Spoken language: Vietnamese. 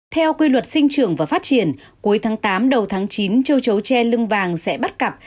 theo quy luật sinh trưởng và phát triển cuối tháng tám đầu tháng chín châu chấu tre lưng vàng sẽ bắt cặp